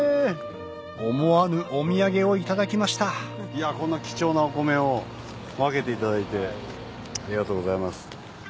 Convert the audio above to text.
思わぬお土産を頂きましたこんな貴重なお米を分けていただいてありがとうございます。